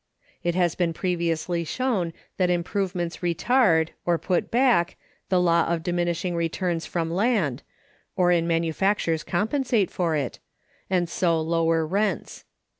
It has been previously shown(299) that improvements retard, or put back, the law of diminishing returns from land (or in manufactures compensate for it), and so lower rents.